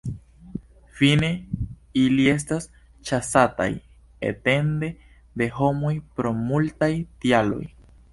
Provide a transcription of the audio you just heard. Fine ili estas ĉasataj etende de homoj pro multaj tialoj.